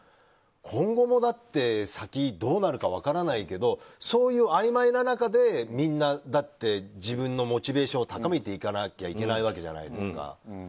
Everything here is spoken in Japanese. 今後も先、どうなるか分からないけどそういうあいまいな中で、みんな自分のモチベーションを高めていかないといけないじゃないですか。